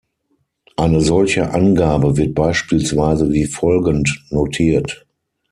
Eine solche Angabe wird beispielsweise wie folgend notiert.